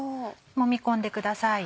もみ込んでください。